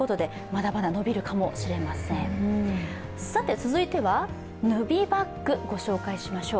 続いては、ヌビバッグ、ご紹介しましょう。